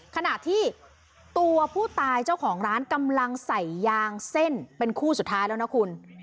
ขณะที่ตัวผู้ตายเจ้าของร้านกำลังใส่ยางเส้นเป็นคู่สุดท้ายแล้วนะคุณ